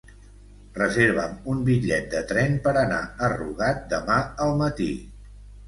Reserva'm un bitllet de tren per anar a Rugat demà al matí.